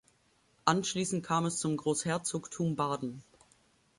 Anschließend kam es zum Großherzogtum Baden.